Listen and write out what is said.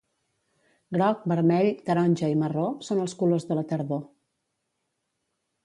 Groc, vermell, taronja i marró són els colors de la tardor.